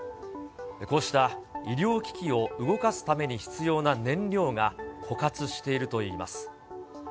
こうした医療機器を動かすために必要な燃料が枯渇しているといいます。